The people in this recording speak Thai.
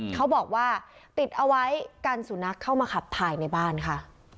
เขาบอกว่าติดเอาไว้กันสุนัขเข้ามาขับภายในบ้านค่ะ